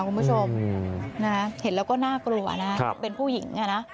คุณผู้ชมนะฮะเห็นแล้วก็น่ากลัวนะฮะครับ